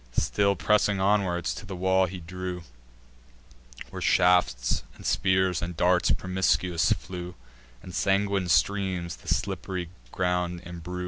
Still pressing onward, to the walls he drew, Where shafts, and spears, and darts promiscuous flew, And sanguine streams the slipp'ry ground embrue.